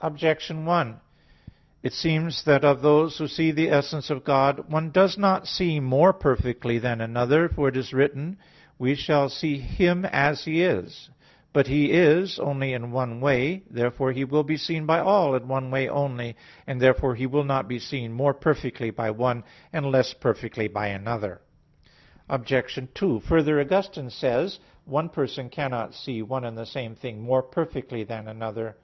Objection 1: It seems that of those who see the essence of God, one does not see more perfectly than another. For it is written (1 John 3:2): "We shall see Him as He is." But He is only in one way. Therefore He will be seen by all in one way only; and therefore He will not be seen more perfectly by one and less perfectly by another. Obj. 2: Further, Augustine says (Octog. Tri. Quaest. qu. xxxii): "One person cannot see one and the same thing more perfectly than another."